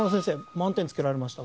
満点つけられましたが。